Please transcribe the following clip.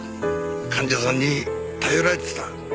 患者さんに頼られてた。